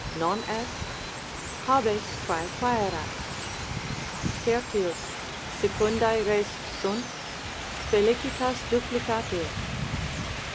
Non est? habes quae quaerat.—3. Secundae res sunt? felicitas duplicatur.